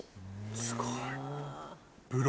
すごい！